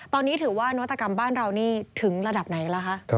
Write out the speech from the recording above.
ตอนนี้ถือว่านวัตกรรมบ้านเรานี่ถึงระดับไหนกันแล้วคะ